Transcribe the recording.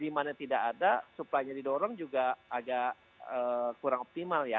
kalau demand nya tidak ada supply nya didorong juga agak kurang optimal ya